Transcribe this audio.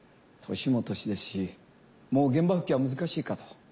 年も年ですしもう現場復帰は難しいかと。